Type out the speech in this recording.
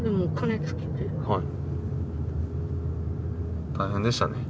はい。